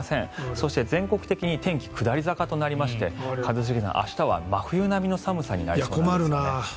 そして、全国的に天気、下り坂となりまして一茂さん、明日は真冬並みの寒さになります。